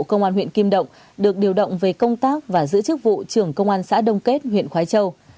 công an huyện kim động được điều động về công tác và giữ chức vụ trưởng công an xã đông kết huyện khói châu